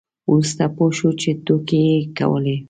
وروسته پوه شو چې ټوکې یې کولې.